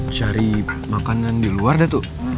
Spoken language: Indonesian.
cari makanan di luar datuk